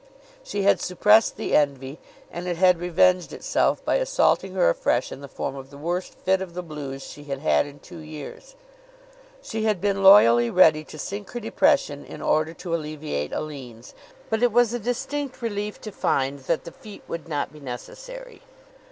She had suppressed the envy, and it had revenged itself by assaulting her afresh in the form of the worst fit of the blues she had had in two years. She had been loyally ready to sink her depression in order to alleviate Aline's, but it was a distinct relief to find that the feat would not be necessary.